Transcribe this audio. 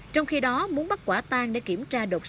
trong khi đó muốn bắt quả tan để kiểm tra đột xác